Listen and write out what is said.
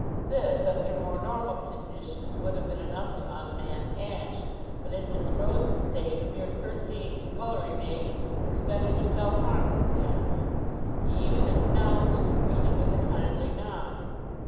This under more normal conditions would have been enough to unman Ashe; but in his frozen state a mere curtsying scullery maid expended herself harmlessly on him. He even acknowledged the greeting with a kindly nod.